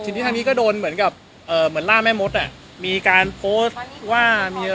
ทีนี้ทางนี้ก็โดนเหมือนกับเอ่อเหมือนล่าแม่มดอ่ะมีการโพสต์ว่ามี